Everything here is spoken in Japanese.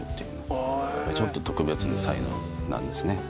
ちょっと特別な才能なんですね。